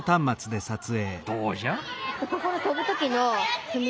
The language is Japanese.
どうじゃ？